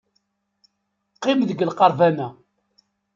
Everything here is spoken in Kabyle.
Qqim deg lqerban-a.